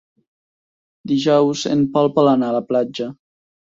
Dijous en Pol vol anar a la platja.